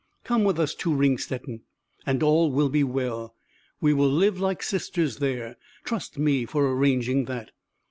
Come with us to Ringstetten, and all will be well. We will live like sisters there, trust me for arranging that."